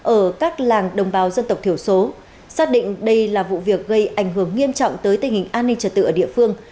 ở các làng đồng bào dân tộc thiểu số xác định đây là vụ việc gây ảnh hưởng nghiêm trọng tới tình hình an ninh trật tự ở địa phương